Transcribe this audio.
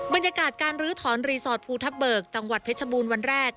บรรยากาศการลื้อถอนรีสอร์ทภูทับเบิกจังหวัดเพชรบูรณ์วันแรก